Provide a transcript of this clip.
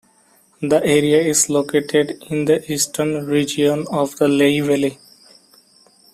The area is located in the eastern region of the Lehigh Valley.